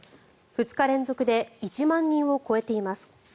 ２日連続で１万人を超えています。